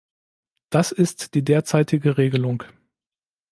Das ist die derzeitige Regelung.